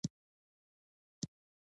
څادر ته فيته واچوه۔